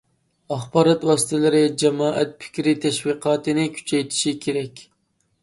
ئاخبارات ۋاسىتىلىرى جامائەت پىكرى تەشۋىقاتىنى كۈچەيتىشى كېرەك.